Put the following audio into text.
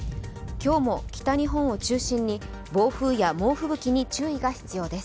今日も北日本を中心に暴風や猛吹雪に注意が必要です。